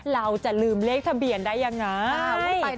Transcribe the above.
เราจะลืมเลขทะเบียนได้ยังไง